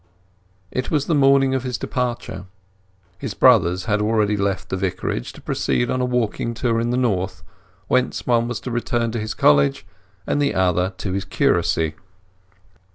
It was the morning of his departure. His brothers had already left the Vicarage to proceed on a walking tour in the north, whence one was to return to his college, and the other to his curacy.